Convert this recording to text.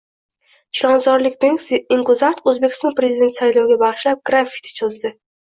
Chilonzorlik Benksi Inkuzart O‘zbekiston prezidenti sayloviga bag‘ishlab graffiti chizdi